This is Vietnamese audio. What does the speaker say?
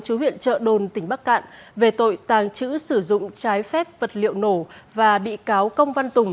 chú huyện trợ đồn tỉnh bắc cạn về tội tàng trữ sử dụng trái phép vật liệu nổ và bị cáo công văn tùng